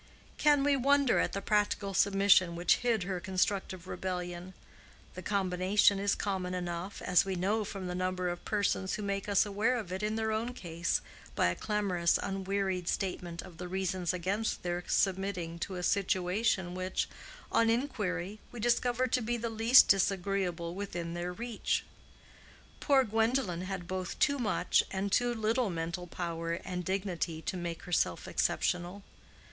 Can we wonder at the practical submission which hid her constructive rebellion? The combination is common enough, as we know from the number of persons who make us aware of it in their own case by a clamorous unwearied statement of the reasons against their submitting to a situation which, on inquiry, we discover to be the least disagreeable within their reach. Poor Gwendolen had both too much and too little mental power and dignity to make herself exceptional.